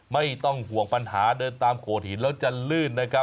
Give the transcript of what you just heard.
ไม่ต้องห่วงปัญหาเดินตามโขดหินแล้วจะลื่นนะครับ